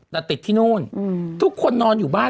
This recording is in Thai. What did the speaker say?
แต่ติดที่นู่นทุกคนนอนอยู่บ้าน